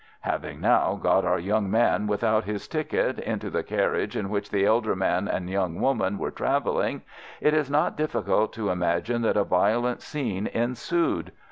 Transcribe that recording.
"Having now got our young man without his ticket into the carriage in which the elder man and the young woman are travelling, it is not difficult to imagine that a violent scene ensued.